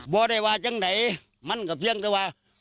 บอกได้ว่าจังไหนมันก็เพียงแต่ว่า